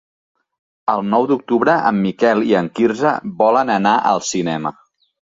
El nou d'octubre en Miquel i en Quirze volen anar al cinema.